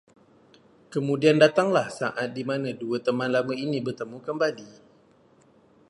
Kemudian datanglah saat dimana dua teman lama ini bertemu kembali